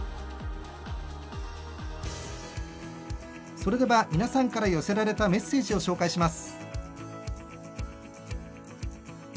それでは皆さんから寄せられたメッセージをご紹介します。